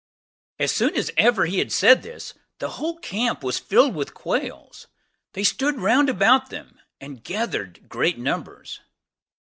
As soon as ever he had said this, the whole camp was filled with quails, they stood round about them, and gathered great numbers.